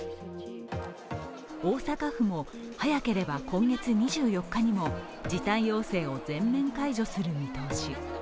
大阪府も早ければ今月２４日にも時短要請を全面解除する見通し。